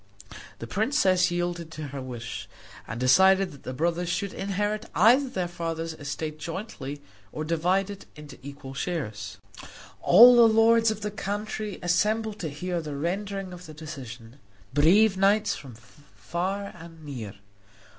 The princess yielded to her wish, and decided that the brothers should either inherit their father's estate jointly or divide it into equal shares. All the lords of the country assembled to hear the rendering of the decision brave knights from far and near.